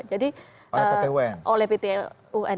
jadi oleh pt un